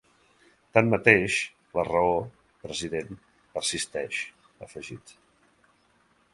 Tanmateix, la raó, president, persisteix, ha afegit.